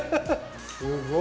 すごい。